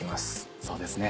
そうですね